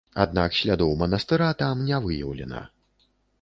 Аднак слядоў манастыра там не выяўлена.